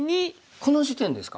この時点ですか？